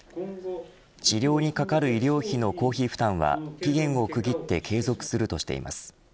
治療にかかる医療費の公費負担は期限を区切って継続するとしています。